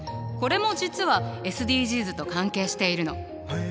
これも実はＳＤＧｓと関係しているの。